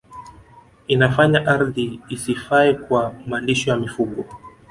Inafanya ardhi isifae kwa malisho ya mifugo